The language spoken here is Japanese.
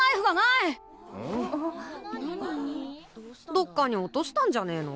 どっかに落としたんじゃねえの？